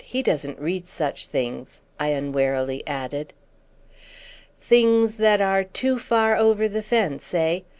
He doesn't read such things!" I unwarily added. "Things that are too far over the fence, eh?"